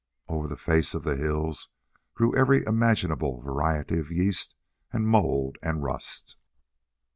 Over the face of the hills grew every imaginable variety of yeast and mould and rust.